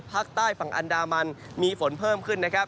ภาคใต้ฝั่งอันดามันมีฝนเพิ่มขึ้นนะครับ